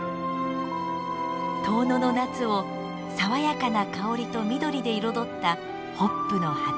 遠野の夏を爽やかな香りと緑で彩ったホップの畑。